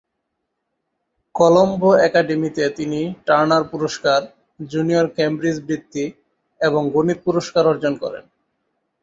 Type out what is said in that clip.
কলম্বো একাডেমিতে তিনি টার্নার পুরস্কার, জুনিয়র কেমব্রিজ বৃত্তি এবং গণিত পুরস্কার অর্জন করেন।